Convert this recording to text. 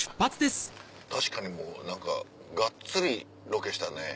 確かにもう何かがっつりロケしたね。